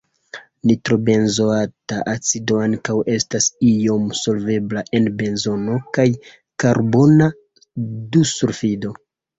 Nitrobenzoata acido ankaŭ estas iom solvebla en benzeno kaj karbona dusulfido.